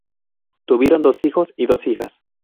Tuvieron dos hijos y dos hijas.